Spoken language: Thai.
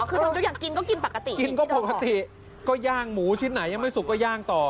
กินก็กินปกติกินก็ปกติก็ย่างหมูชิ้นไหนยังไม่สุกก็ย่างต่อ